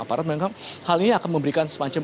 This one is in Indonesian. aparat memang hal ini akan memberikan semacam